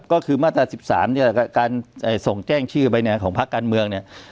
ก็คือมาตรา๑๓เนี่ยการส่งแจ้งชื่อไปเนี่ยของพักการเมืองเนี่ย